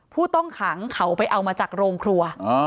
ผู้ต้องขังเขาไปเอามาจากโรงครัว